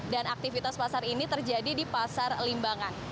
dan aktivitas pasar ini terjadi di pasar limbangan